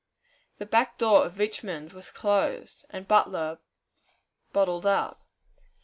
The "back door" of Richmond was closed, and Butler "bottled up."